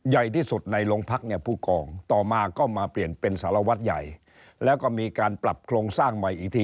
ใหญ่ที่สุดในโรงพรรคเนี่ยผู้กอง